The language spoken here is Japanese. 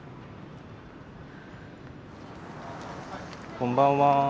こんばんは。